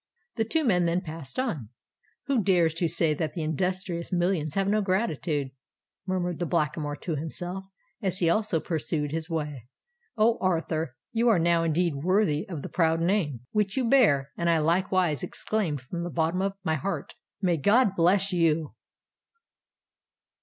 The two men then passed on. "Who dares to say that the industrious millions have no gratitude?" murmured the Blackamoor to himself, as he also pursued his way. "O Arthur! you are now indeed worthy of the proud name which you bear: and I likewise exclaim from the very bottom of my heart, '_May God bless you!